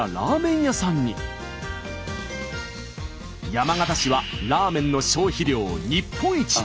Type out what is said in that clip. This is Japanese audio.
山形市はラーメンの消費量日本一！